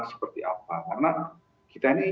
seperti apa karena kita ini